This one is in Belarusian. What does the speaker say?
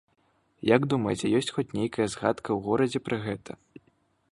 Як думаеце, ёсць хоць нейкая згадка ў горадзе пра гэта?